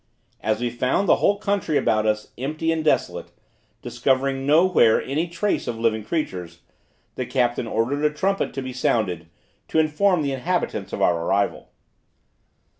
As we found the whole country about us empty and desolate, discovering no where any trace of living creatures, the captain ordered a trumpet to be sounded, to inform the inhabitants of our arrival.